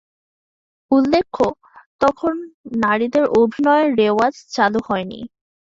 উল্লেখ্য তখন নারীদের অভিনয়ের রেওয়াজ চালু হয়নি।